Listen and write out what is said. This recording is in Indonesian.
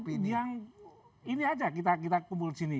pilihan pilihan ini aja kita kumpul di sini